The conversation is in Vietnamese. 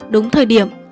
đúng thời điểm